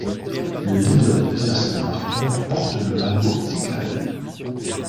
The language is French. Le leader du classement par points porte le maillot cyclamen.